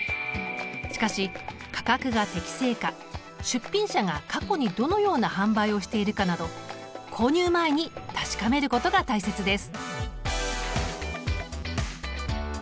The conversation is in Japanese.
しかし価格が適正か出品者が過去にどのような販売をしているかなど購入前に確かめることが大切です。